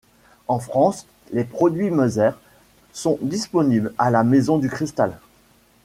En France, les produits Moser sont disponibles à la Maison du Cristal.